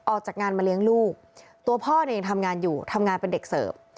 ออกจากงานมาเลี้ยงลูกตัวพ่อเนี่ยยังทำงานอยู่ทำงานเป็นเด็กเสิร์ฟ